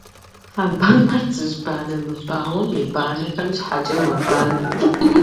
Хьэ бамэр цыжьбанэ мыбауэм и банэхэм щхьэкӏэ мэбанэ.